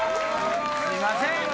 すいません！